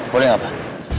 boleh nggak bah